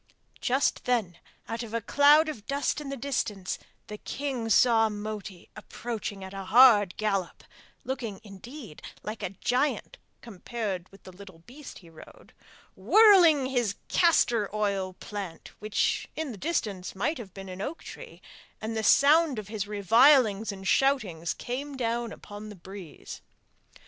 Just then out of a cloud of dust in the distance the king saw Moti approaching at a hard gallop, looking indeed like a giant compared with the little beast he rode, whirling his castor oil plant, which in the distance might have been an oak tree, and the sound of his revilings and shoutings came down upon the breeze!